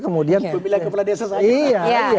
pemilihan kepulauan desa saja